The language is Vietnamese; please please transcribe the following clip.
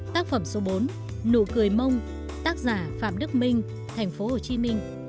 tác phẩm số bốn nụ cười mông tác giả phạm đức minh tp hcm